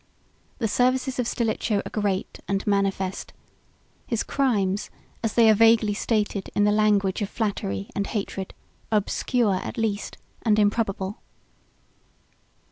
109 The services of Stilicho are great and manifest; his crimes, as they are vaguely stated in the language of flattery and hatred, are obscure at least, and improbable.